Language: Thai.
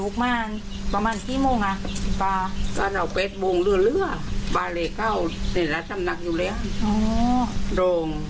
ข้ากินอะไรมั้ยคะน้อง